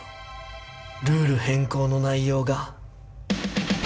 ルール変更の内容が。